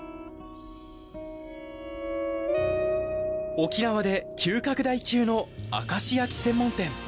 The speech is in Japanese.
沖縄で急拡大中の明石焼き専門店。